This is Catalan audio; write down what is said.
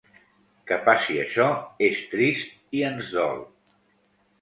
Que passi això és trist i ens dol.